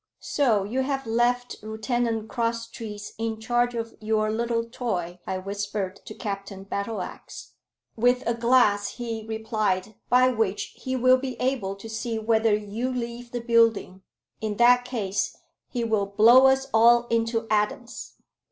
"So you have left Lieutenant Crosstrees in charge of your little toy," I whispered to Captain Battleax. "With a glass," he replied, "by which he will be able to see whether you leave the building. In that case, he will blow us all into atoms."